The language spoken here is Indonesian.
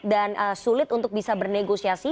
dan sulit untuk bisa bernegosiasi